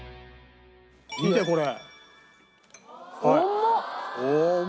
見てこれ。